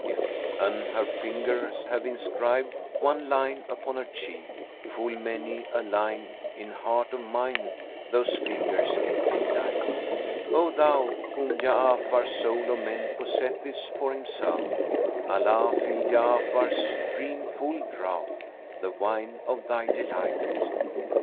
If an her fingers have inscribed one line upon her cheek, * Full many a line in heart of mine those fingers did indite: O thou, whom Ja'afar sole of men possesseth for himself, * Allah fill Ja'afar[FN#429] stream full draught, the wine of thy delight!"